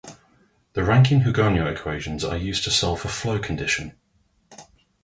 The Rankine-Hugoniot equations are used to solve for the flow condition.